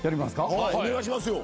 お願いしますよ。